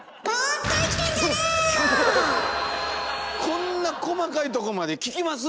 こんな細かいとこまで聞きます？